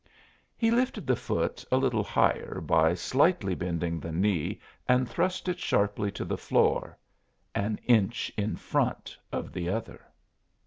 He lifted the foot a little higher by slightly bending the knee and thrust it sharply to the floor an inch in front of the other!